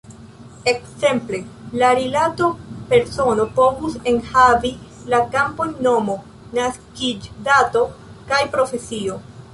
Ekzemple la rilato "persono" povus enhavi la kampojn "nomo", "naskiĝdato" kaj "profesio".